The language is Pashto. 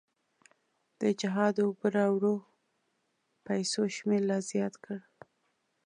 د جهاد اوبو راوړو پیسو شمېر لا زیات کړ.